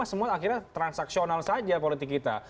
semua akhirnya transaksional saja politik kita